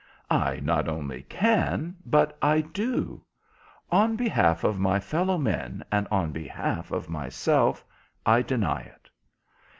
"I not only can, but I do. On behalf of my fellow men, and on behalf of myself, I deny it."